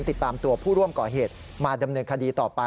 ติดตามตัวผู้ร่วมก่อเหตุมาดำเนินคดีต่อไป